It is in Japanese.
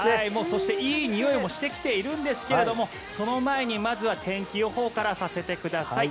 そしていいにおいもしてきているんですがその前に、まずは天気予報からさせてください。